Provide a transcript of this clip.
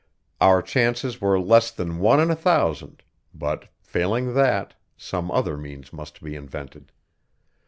Our chances were less than one in a thousand; but, failing that, some other means must be invented.